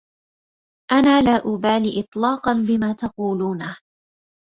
أنا لا أبالي إطلاقا بما تقولونه.